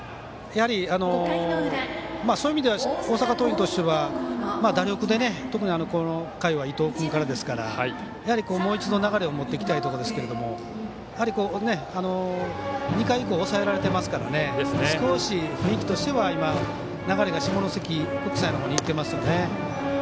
やはり、そういう意味では大阪桐蔭としては打力で、特にこの回は伊藤君からですからやはり、もう一度流れを持っていきたいところでしょうが２回以降、抑えられてますから少し雰囲気としては流れが下関国際のほうにいってますよね。